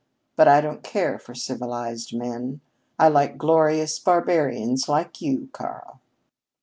"But I don't care for civilized men. I like glorious barbarians like you, Karl."